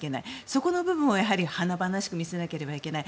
そこの部分は華々しく見せなければいけない。